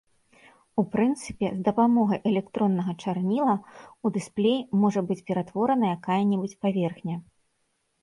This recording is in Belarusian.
У прынцыпе, з дапамогай электроннага чарніла ў дысплей можа быць ператвораная якая-небудзь паверхня.